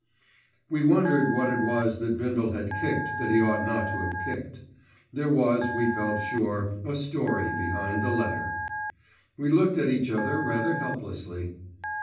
We wondered what it was that Bindle had kicked that he ought not to have kicked. There was, we felt sure, a story behind the letter. We looked at each other rather helplessly.